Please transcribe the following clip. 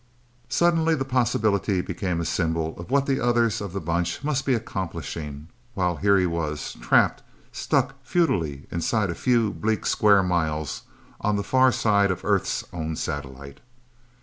Suddenly the possibility became a symbol of what the others of the Bunch must be accomplishing, while here he was, trapped, stuck futilely, inside a few bleak square miles on the far side of Earth's own satellite!